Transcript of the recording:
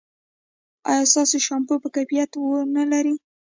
ایا ستاسو شامپو به کیفیت و نه لري؟